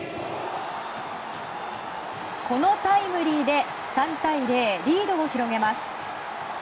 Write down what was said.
このタイムリーで３対０リードを広げます。